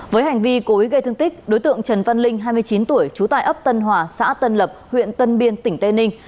với hành vi cối gây thương tích đối tượng trần văn linh hai mươi chín tuổi trú tại ấp tân hòa xã tân lập huyện tân biên tỉnh tây ninh